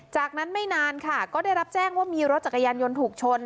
จากนั้นไม่นานค่ะก็ได้รับแจ้งว่ามีรถจักรยานยนต์ถูกชน